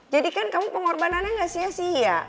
jadi kan kamu pengorbanannya ga sia sia